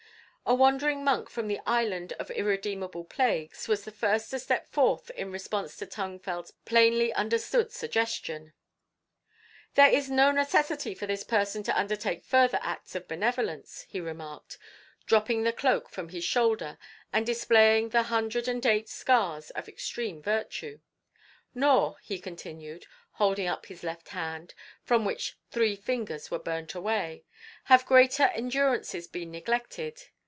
A wandering monk from the Island of Irredeemable Plagues was the first to step forth in response to Tung Fel's plainly understood suggestion. "There is no necessity for this person to undertake further acts of benevolence," he remarked, dropping the cloak from his shoulder and displaying the hundred and eight scars of extreme virtue; "nor," he continued, holding up his left hand, from which three fingers were burnt away, "have greater endurances been neglected.